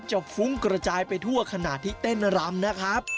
ฟุ้งกระจายไปทั่วขณะที่เต้นรำนะครับ